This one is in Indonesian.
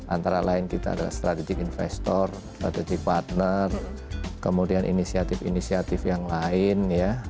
antara lain kita ada strategic investor strategi partner kemudian inisiatif inisiatif yang lain ya